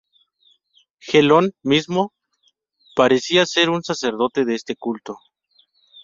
Gelón mismo parecía ser un sacerdote de este culto.